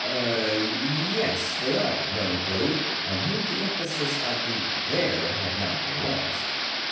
"Er y yes, they are," murmured Billy, on whom the emphasis of the "they're" had not been lost.